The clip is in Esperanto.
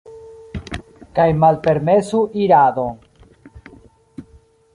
Kaj malpermesu iradon.